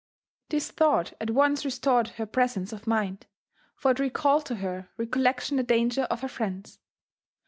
This Ihought at once restored her presence of mind, for it recalled to her recollection the danger of her friends.